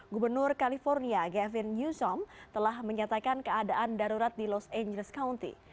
gubernur california gavin newsom telah menyatakan keadaan darurat di los angeles county